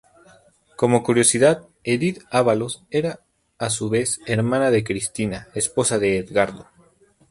Como curiosidad, Edith Ávalos era a su vez hermana de Cristina, esposa de Edgardo.